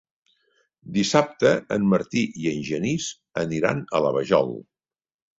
Dissabte en Martí i en Genís aniran a la Vajol.